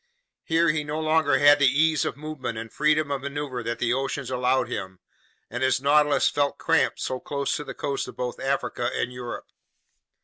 Here he no longer had the ease of movement and freedom of maneuver that the oceans allowed him, and his Nautilus felt cramped so close to the coasts of both Africa and Europe.